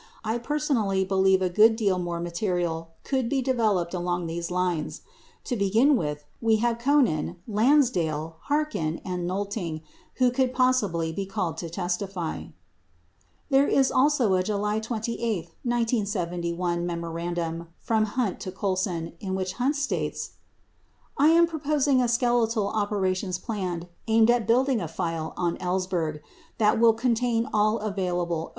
I personally believe a good deal more material could be developed along these lines. To begin with, we have Conein, Lansdale, Harkins, and Xolting who could possibly be called to testify. 82 There is also a July 28, 1971, memorandum from Hunt to Colson in which Hunt states : I am proposing a skeletal operations plan aimed at build ing a file on Ellsberg that, will contain all available overt, ™ Exhibit 91, 6 Hearings 2650.